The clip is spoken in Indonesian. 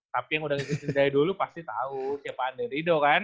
tapi yang udah ngikutin dari dulu pasti tau siapa ander ido kan